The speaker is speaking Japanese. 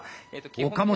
岡本